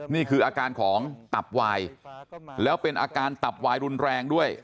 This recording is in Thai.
นี่คืออาการของตับวายแล้วเป็นอาการตับวายรุนแรงด้วย